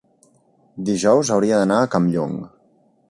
dijous hauria d'anar a Campllong.